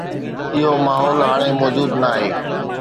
اهو ماحول هاڻي موجود ناهي.